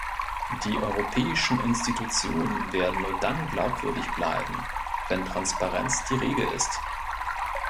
Die europäischen Institutionen werden nur dann glaubwürdig bleiben, wenn Transparenz die Regel ist.